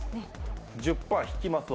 １０％引きますわ。